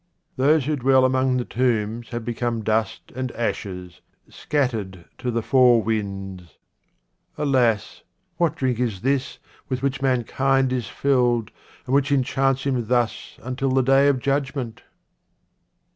Those who dwell among the tombs have be come dust and ashes, scattered to the four winds. Alas ! what drink is this with which mankind is filled, and which enchants him thus until the day of judgment